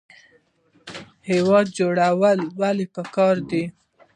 هیواد جوړول ولې پکار دي؟